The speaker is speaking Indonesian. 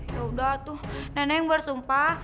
yaudah tuh nenek bersumpah